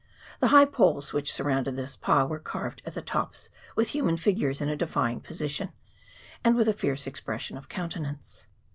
The high poles which surrounded this pa were carved at the tops with human figures in a defying position, and with a fierce expression of countenance.